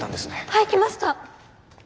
はい来ました！